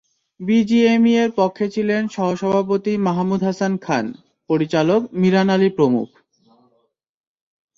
বিজিএমইএর পক্ষে ছিলেন সহসভাপতি মাহমুদ হাসান খান, পরিচালক মিরান আলী প্রমুখ।